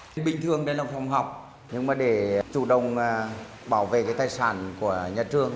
thì bình thường đây là phòng học nhưng mà để chủ động bảo vệ cái tài sản của nhà trường